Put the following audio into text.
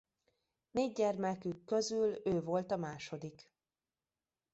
Négy gyermekük közül ő volt a második.